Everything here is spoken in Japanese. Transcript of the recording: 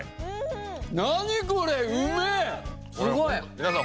皆さん